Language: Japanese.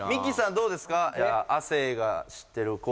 どうですか